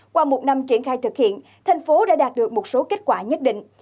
qua một năm triển khai thực hiện thành phố đã đạt được một số kết quả nhất định